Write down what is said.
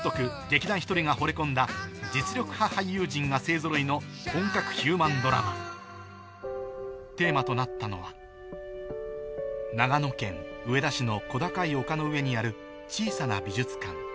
劇団ひとりがほれ込んだの本格ヒューマンドラマテーマとなったのは長野県上田市の小高い丘の上にある小さな美術館